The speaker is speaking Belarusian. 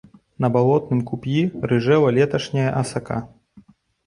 На балотным куп'і рыжэла леташняя асака.